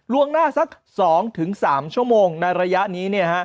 ล่วงหน้าสักสองถึงสามชั่วโมงในระยะนี้เนี่ย